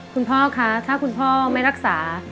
คุณพ่อคะถ้าคุณพ่อไม่รักษา